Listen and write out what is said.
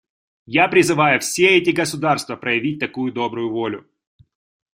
Я призываю все эти государства проявить такую добрую волю.